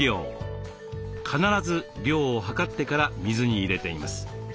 必ず量をはかってから水に入れています。